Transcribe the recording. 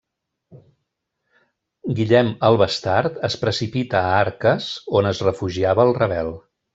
Guillem el Bastard es precipita a Arques on es refugiava el rebel.